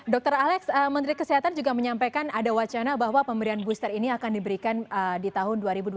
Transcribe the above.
dr alex menteri kesehatan juga menyampaikan ada wacana bahwa pemberian booster ini akan diberikan di tahun dua ribu dua puluh